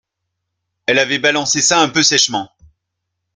Elle avait balancé ça un peu sèchement